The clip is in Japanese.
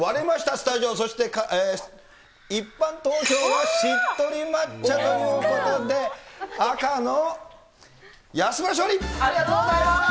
スタジオ、そして一般投票はしっとり抹茶ということで、ありがとうございます。